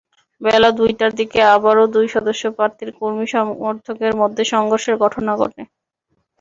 বেলা দুইটার দিকে আবারও দুই সদস্য প্রার্থীর কর্মী-সমর্থকদের মধ্যে সংঘর্ষের ঘটনা ঘটে।